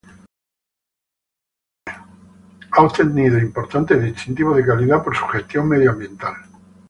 Ha obtenido importantes distintivos de calidad por su gestión medioambiental.